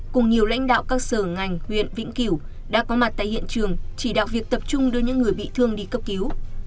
cùng nhiều lãnh đạo các sở ngành huyện vĩnh cửu đã có mặt tại hiện trường chỉ đạo việc tập trung đưa những người bị thương đi cấp cứu